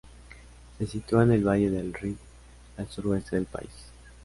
Se sitúa en el valle del Rift, al suroeste del país.